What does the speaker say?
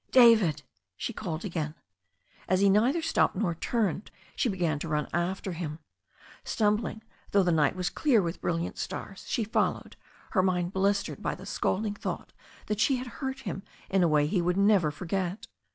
"David," she called again. As he neither stopped nor turned, she began to run after him. Stumbling, though the night was clear with brilliant stars, she followed, her mind blistered by the scalding thought that she had hurt him in a way he would never forget.